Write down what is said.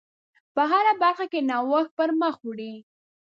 په هره برخه کې نوښت پر مخ وړئ.